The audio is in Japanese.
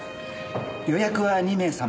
予約は２名様。